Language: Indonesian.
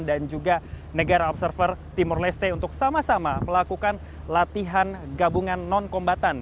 dan juga negara observer timur leste untuk sama sama melakukan latihan gabungan non kombatan